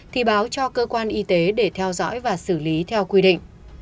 thì báo cho cơ quan y tế để theo dõi và xử lý theo quy định